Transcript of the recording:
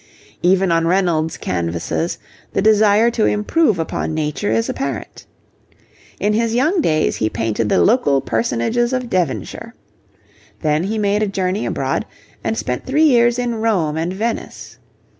Even on Reynolds' canvases the desire to improve upon nature is apparent. In his young days he painted the local personages of Devonshire. Then he made a journey abroad and spent three years in Rome and Venice.